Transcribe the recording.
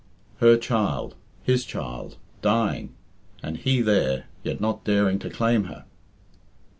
Her child, his child, dying, and he there, yet not daring to claim her!